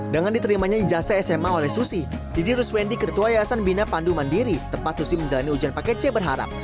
dengan diterimanya ijazah sma oleh susi didi ruswendi ketua yayasan bina pandu mandiri tempat susi menjalani ujian paket c berharap